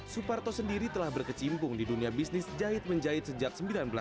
suparto sendiri telah berkecimpung di dunia bisnis jahit menjahit sejak seribu sembilan ratus sembilan puluh